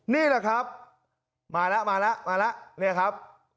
นี่แหละครับมาแล้วนี่ละครับ